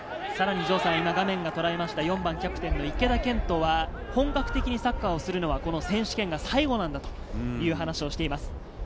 さらに画面が捉えた４番キャプテンの池田健人は、本格的にサッカーをするのは選手権が最後なんだという話をしています。